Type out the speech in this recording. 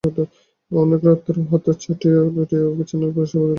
অনেক রাত্রে হঠাৎ চাঁদ উঠিয়া চাঁদের আলো বিছানার উপর আসিয়া পড়িল।